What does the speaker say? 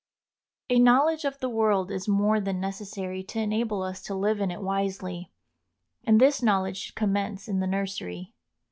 A knowledge of the world is more than necessary to enable us to live in it wisely, and this knowledge should commence in the nursery.